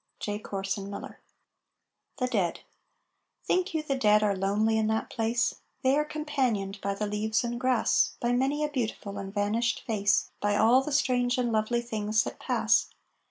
J. CORSON MILLER. THE DEAD Think you the dead are lonely in that place? They are companioned by the leaves and grass, By many a beautiful and vanished face, By all the strange and lovely things that pass.